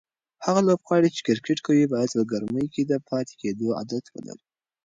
هغه لوبغاړي چې کرکټ کوي باید په ګرمۍ کې د پاتې کېدو عادت ولري.